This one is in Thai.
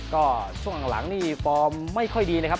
ก็ช่วงหลังนี่ฟอร์มไม่ค่อยดีนะครับ